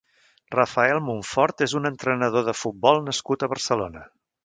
Rafael Monfort és un entrenador de futbol nascut a Barcelona.